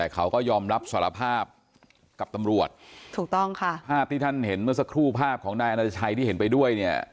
เขาก็ยอมรับสารภาพกับตำรวจถูกต้องค่ะภาพที่ท่านเห็นเมื่อสักครู่ภาพของนายอนาชัยที่เห็นไปด้วยเนี่ย